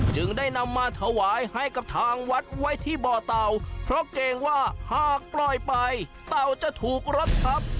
จึงได้นำมาถวายให้กับทางวัดไว้ที่บ่อเต่าเพราะเกรงว่าหากปล่อยไปเต่าจะถูกรถทับ